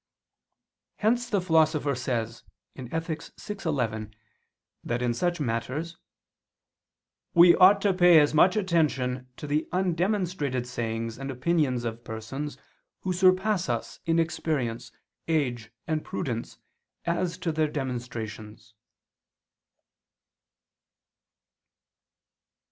Hence the Philosopher says (Ethic. vi, 11) that in such matters, "we ought to pay as much attention to the undemonstrated sayings and opinions of persons who surpass us in experience, age and prudence, as to their demonstrations."